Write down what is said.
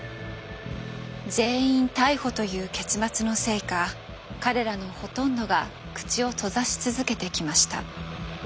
全員逮捕という結末のせいか彼らのほとんどが口を閉ざし続けてきました。